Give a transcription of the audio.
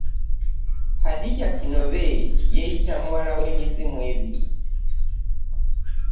Hadija Kinobe yeeyita muwala w’emizimu ebiri.